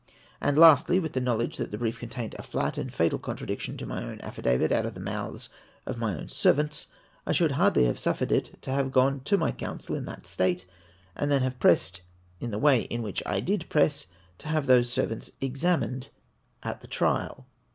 And lastly, with the knowledge that the brief contained a flat and fatal con tradiction to my own affidavit out of tlie mouths of my own servants, I should hardly have suffered it to have gone to my counsel in that state ; and then have pressed, in the way in which I did press, to have those servants examined at the trial.